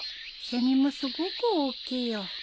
セミもすごく大きいよ。